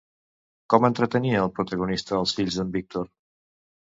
Com entretenia el protagonista els fills d'en Víctor?